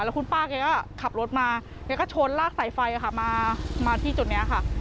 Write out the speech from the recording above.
แล้วคุณป้าแกก็ขับรถมาแกก็ชนลากสายไฟค่ะมาที่จุดนี้ค่ะ